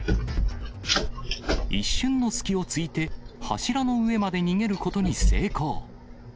一瞬の隙をついて、柱の上まで逃げることに成功。